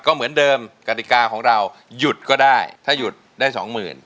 ก็เหมือนเดิมกติกาของเราหยุดก็ได้ถ้าหยุดได้สองหมื่น